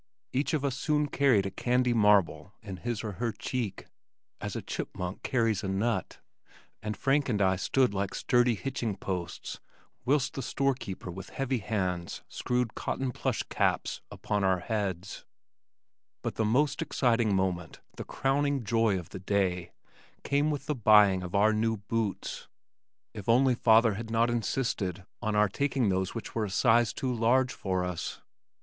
Each of us soon carried a candy marble in his or her cheek (as a chipmunk carries a nut) and Frank and I stood like sturdy hitching posts whilst the storekeeper with heavy hands screwed cotton plush caps upon our heads, but the most exciting moment, the crowning joy of the day, came with the buying of our new boots. If only father had not insisted on our taking those which were a size too large for us!